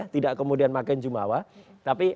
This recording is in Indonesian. tidak kemudian makin jumawa tapi